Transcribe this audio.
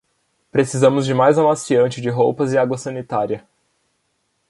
Precisamos de mais amaciante de roupas e água sanitária